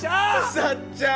さっちゃん！！